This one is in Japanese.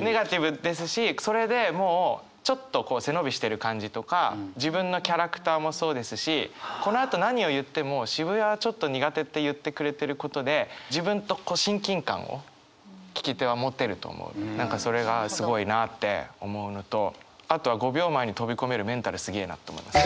ネガティブですしそれでもうちょっと背伸びしてる感じとか自分のキャラクターもそうですしこのあと何を言っても「渋谷はちょっと苦手」って言ってくれてることで自分と何かそれがすごいなあって思うのとあとは５秒前に飛び込めるメンタルすげえなと思います。